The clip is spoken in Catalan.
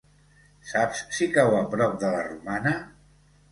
Saps si cau a prop de la Romana?